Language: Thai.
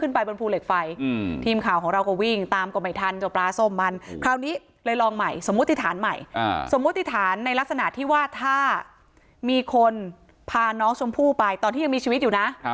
น้องชมพู่ไปตอนที่ยังมีชีวิตอยู่นะ